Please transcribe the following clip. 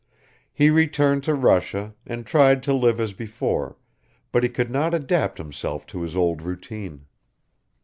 He returned to Russia and tried to live as before, but he could not adapt himself to his old routine.